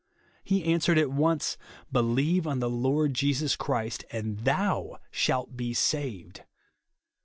He answered at once, " Believe on the Lord Jesus Christ, and THOU shalt be saved."